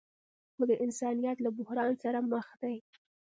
خو د انسانیت له بحران سره مخ دي.